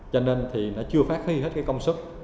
cho nên thì nó chưa phát huy hết công sức